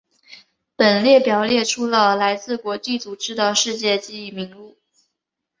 本列表列出了来自国际组织的世界记忆名录。